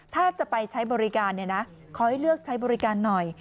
ถ้าจะไปใช้บริการขอให้เลือกใช้บริการหน่อย